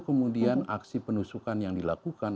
kemudian aksi penusukan yang dilakukan